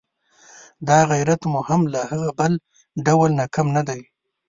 دا غیرت مو هم له هغه بل ډول نه کم نه دی.